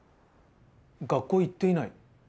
学校へ行っていない？